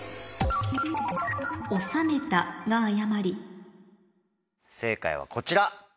「収めた」が誤り正解はこちら。